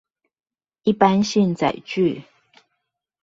一般性載具